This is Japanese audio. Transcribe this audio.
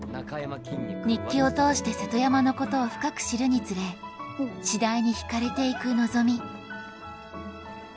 日記を通して瀬戸山のことを深く知るにつれ次第に引かれていく希美